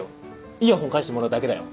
イヤホン返してもらうだけだよ。